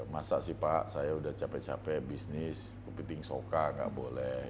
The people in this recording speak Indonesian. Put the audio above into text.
masa sih pak saya udah capek capek bisnis kepiting soka nggak boleh